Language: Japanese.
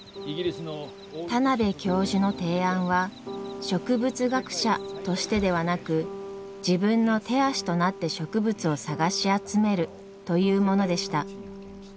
田邊教授の提案は植物学者としてではなく自分の手足となって植物を探し集めるというものでした。